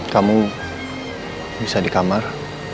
kamu bisa di kamar